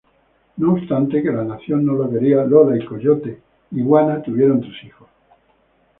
No obstante que la nación no la quería, Lola y Coyote-Iguana tuvieron tres hijos.